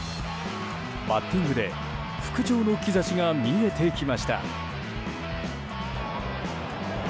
バッティングで復調の兆しが見えてきました。